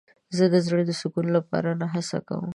زه د زړه د سکون لپاره نه هڅه کوم.